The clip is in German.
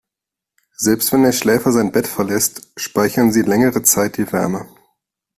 Selbst wenn der Schläfer sein Bett verlässt, speichern sie längere Zeit die Wärme.